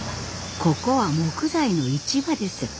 ここは木材の市場です。